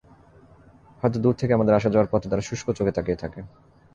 হয়তো দূর থেকে আমাদের আসা-যাওয়ার পথে তারা শুষ্ক চোখে তাকিয়ে থাকে।